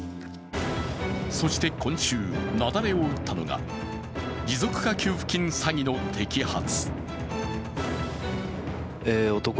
そして今週、雪崩を打ったのが持続化給付金詐欺の摘発。